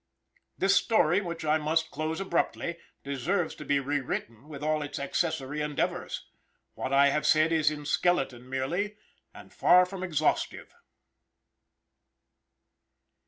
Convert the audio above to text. This story which I must close abruptly, deserves to be re written, with all its accessory endeavours. What I have said is in skeleton merely, and far from exhaustive.